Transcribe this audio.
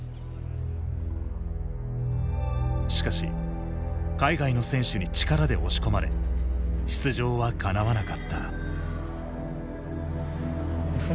しかし海外の選手に力で押し込まれ出場はかなわなかった。